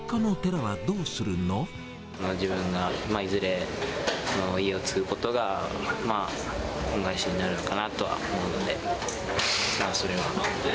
自分がいずれ、家を継ぐことが、恩返しになるのかなとは思うので、それは。